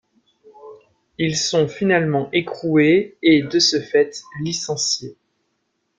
Ils sont finalement écroués et, de ce fait, licenciés.